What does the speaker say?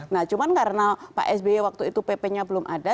nah cuma karena pak sby waktu itu pp nya belum ada